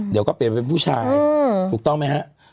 เดี๋ยวก็เป็นคุณผู้ชายถูกต้องไหมฮะ